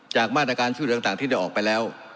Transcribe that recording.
มาตรการช่วยเหลือต่างที่ได้ออกไปแล้ว